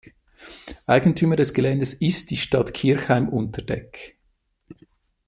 Eigentümer des Geländes ist die Stadt Kirchheim unter Teck.